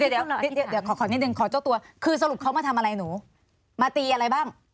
เดี๋ยวขอนิดนึงขอเจ้าตัวคือสรุปเขามาทำอะไรหนูมาตีอะไรบ้าง